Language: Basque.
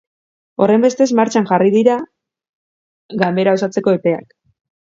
Horrenbestez, martxan jarri dira ganbera osatzeko epeak.